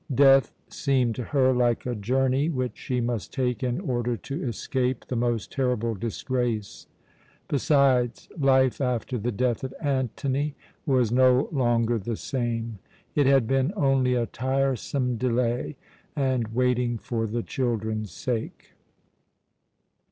Death seemed to her like a journey which she must take in order to escape the most terrible disgrace. Besides, life after the death of Antony was no longer the same; it had been only a tiresome delay and waiting for the children's sake.